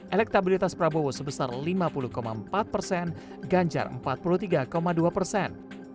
elektabilitas prabowo sebesar lima puluh empat persen ganjar empat puluh tiga dua persen